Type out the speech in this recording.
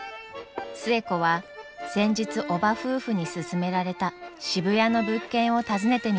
寿恵子は先日叔母夫婦に勧められた渋谷の物件を訪ねてみました。